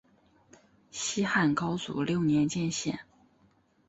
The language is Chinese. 西汉高祖六年建县。